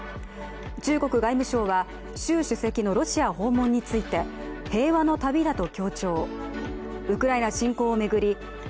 中国外務省は習主席のロシア訪問について、平和の旅だと強調。